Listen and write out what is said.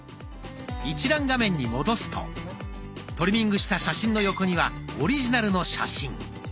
一覧画面に戻すとトリミングした写真の横にはオリジナルの写真。